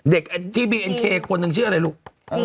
เด็กที่บีเอ็นเคคนหนึ่งชื่ออะไรลูก